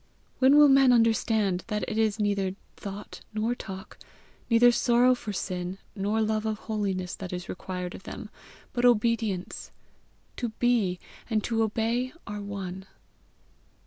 When will men understand that it is neither thought nor talk, neither sorrow for sin nor love of holiness that is required of them, but obedience! To BE and to OBEY are one.